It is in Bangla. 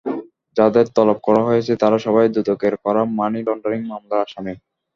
যাদের তলব করা হয়েছে তাঁরা সবাই দুদকের করা মানি লন্ডারিং মামলার আসামি।